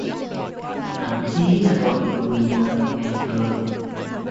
Thậm chí là còn dùng nhiều hơn ngày thường